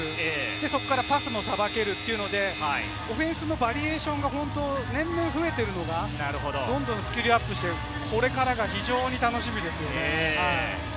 そこからパスもさばけるというので、オフェンスのバリエーションが年々増えているのが、スキルアップしていて非常にこれからが楽しみです。